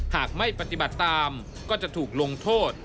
หากไม่ปฏิบัติตามก็จะถูกลงโทษ